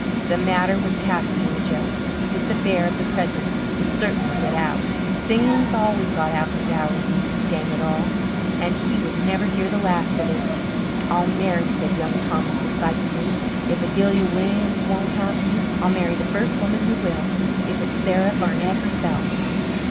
The matter was past being a joke. This affair of the present would certainly get out things always got out in Valley View, dang it all and he would never hear the last of it. "I'll marry," said Young Thomas decisively. "If Adelia Williams won't have me, I'll marry the first woman who will, if it's Sarah Barnett herself."